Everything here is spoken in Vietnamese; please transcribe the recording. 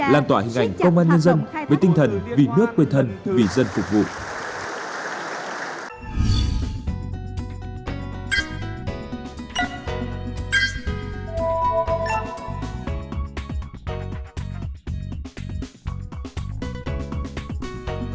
lan tỏa hình ảnh công an nhân dân với tinh thần vì nước quê thần vì dân phục vụ